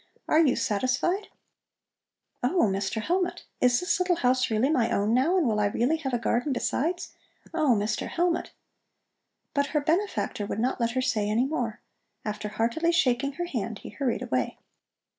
Are you satisfied?" "Oh, Mr. Hellmut! Is this little house really my own, now, and will I really have a garden besides? Oh, Mr. Hellmut!" But her benefactor would not let her say any more. After heartily shaking her hand, he hurried away.